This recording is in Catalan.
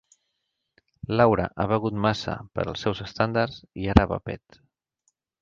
Laura ha begut massa, per als seus estàndards, i ara va pet.